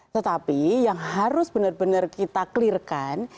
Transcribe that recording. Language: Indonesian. tetapi yang harus benar benar kita clear kan